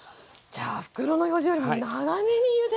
じゃあ袋の表示よりも長めにゆでる。